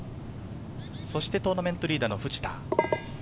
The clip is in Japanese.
トーナメントリーダーの藤田。